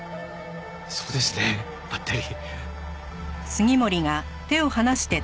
そうですねばったり。